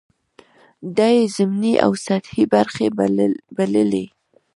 دا یې ضمني او سطحې برخې بللې.